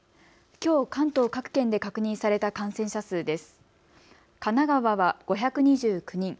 きょう関東各県で確認された感染者数です。